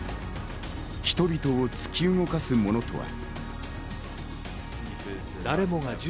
人々を突き動かすものとは？